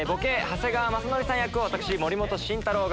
長谷川雅紀さん役を私森本慎太郎が。